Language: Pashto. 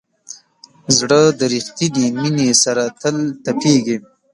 زړه د ریښتینې مینې سره تل تپېږي.